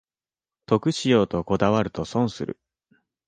得しようとこだわると損する